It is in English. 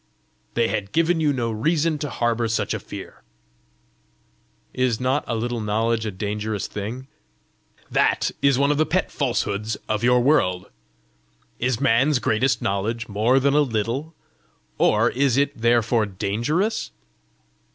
"They had given you no reason to harbour such a fear!" "Is not a little knowledge a dangerous thing?" "That is one of the pet falsehoods of your world! Is man's greatest knowledge more than a little? or is it therefore dangerous?